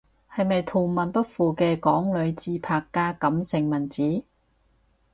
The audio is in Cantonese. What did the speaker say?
係咪圖文不符嘅港女自拍加感性文字？